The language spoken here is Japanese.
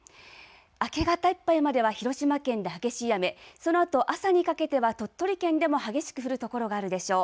明け方いっぱいまでは広島県で激しい雨そのあと朝にかけては鳥取県でも激しく降る所があるでしょう。